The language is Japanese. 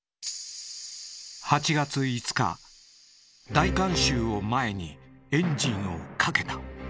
大観衆を前にエンジンをかけた。